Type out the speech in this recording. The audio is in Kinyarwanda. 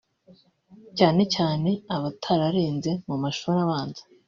cyane cyane abatararenze mu mashuri abanza